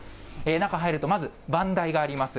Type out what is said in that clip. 中入ると、まず番台があります。